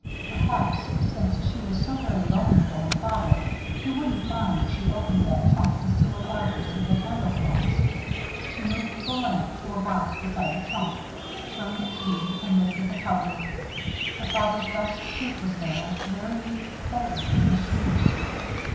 Perhaps, since she was so very lonely for her father, he wouldn't mind if she opened that trunk to see what articles he had handled last. She moved the lamp to a box beside the trunk, turned the key, and lifted the cover. Her father's best suit was there, very neatly folded, and his shoes.